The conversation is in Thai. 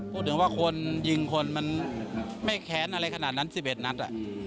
พูดถึงว่าคนยิงคนมันไม่แค้นอะไรขนาดนั้น๑๑นัด